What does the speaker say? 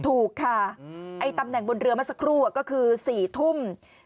ถูกค่ะไอ้ตำแหน่งบนเรือเมื่อสักครู่ก็คือ๔ทุ่ม